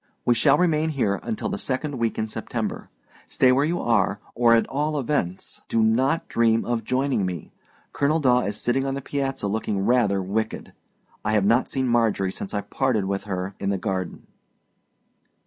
We shall remain here until the second week in September. Stay where you are, or, at all events, do not dream of joining me....Colonel Daw is sitting on the piazza looking rather wicked. I have not seen Marjorie since I parted with her in the garden.